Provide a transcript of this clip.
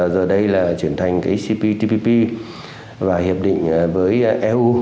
giờ đây là chuyển thành cái cptpp và hiệp định với eu